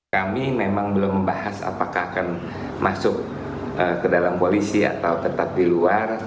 kami memang belum membahas apakah akan masuk ke dalam koalisi atau tetap di luar